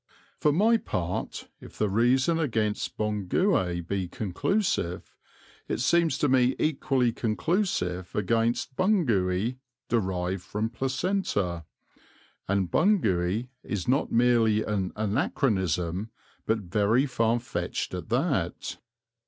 For my part, if the reason against Bon Gué be conclusive, it seems to me equally conclusive against Bun (placenta) Gué; and Bun Gué is not merely an anachronism, but very far fetched at that.